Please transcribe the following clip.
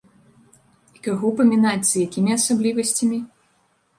І каго памінаць, з якімі асаблівасцямі?